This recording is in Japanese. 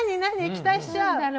期待しちゃう。